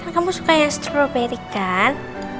kamu suka yang stroberi kan